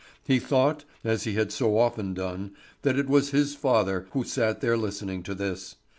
He thought, as he had so often done, that it was his father who sat there listening to this.